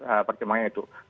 eee pertimbangannya itu